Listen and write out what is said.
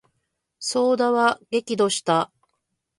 左右田は激怒した。